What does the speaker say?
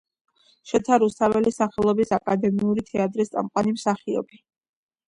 შოთა რუსთაველის სახელობის აკადემიური თეატრის წამყვანი მსახიობი.